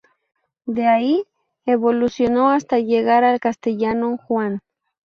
De ahí evolucionó hasta llegar al castellano "Juan".